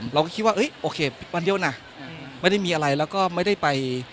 เราก็คิดว่าโอเควันเดียวนะไม่ได้มีอะไรแล้วก็ไม่ได้ไป